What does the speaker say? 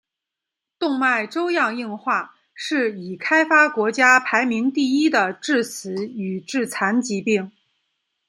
动脉粥样硬化是已开发国家排名第一的致死与致残疾病。